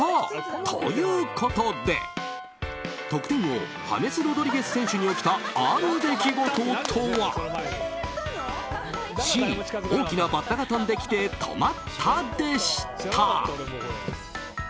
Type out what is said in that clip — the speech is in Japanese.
ということで得点王ハメス・ロドリゲス選手に起きたある出来事とはＣ、大きなバッタが飛んできて止まったでした。